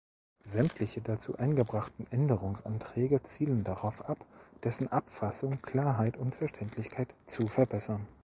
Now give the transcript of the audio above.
Sämtliche dazu eingebrachten Änderungsanträge zielen darauf ab, dessen Abfassung, Klarheit und Verständlichkeit zu verbessern.